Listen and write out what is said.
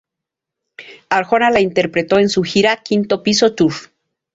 Arjona la interpretó en su gira "Quinto piso Tour".